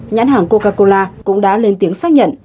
nhãn hàng coca cola cũng đã lên tiếng xác nhận